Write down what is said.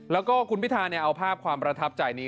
แล้วก็คุณพิธาเอาภาพความประทับใจนี้